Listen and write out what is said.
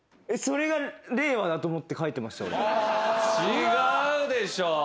違うでしょ。